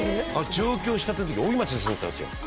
上京した時に大井町に住んでたんですよ